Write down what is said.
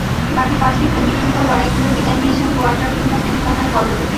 বাকি পাঁচটি প্রতিযোগিতায়ও লড়াই করে বিদায় নিয়েছেন কোয়ার্টার কিংবা সেমিফাইনাল পর্ব থেকে।